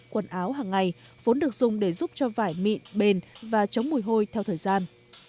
quần áo hàng ngày vốn được dùng để giúp cho vải mịn bền và chống mùi hôi theo thời gian